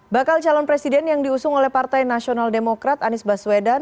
bakal calon presiden yang diusung oleh partai nasional demokrat anies baswedan